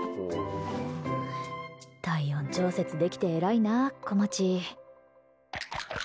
体温調節できて偉いな、こまち。